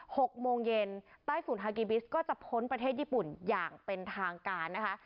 หกโมงเย็นใต้ฝุ่นฮากิบิสก็จะพ้นประเทศญี่ปุ่นอย่างเป็นทางการนะคะ